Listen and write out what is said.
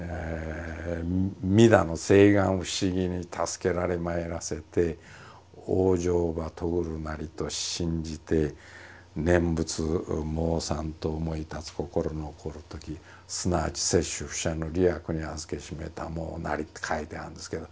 「弥陀の誓願不思議にたすけられまいらせて往生をばとぐるなりと信じて念仏もうさんとおもいたつこころのおこるときすなわち摂取不捨の利益にあづけしめたもうなり」って書いてあるんですけど。